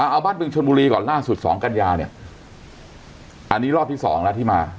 เอาบ้านบึงชนบุรีก่อนล่าสุด๒กัญญาเนี่ยอันนี้รอบที่๒แล้วที่มา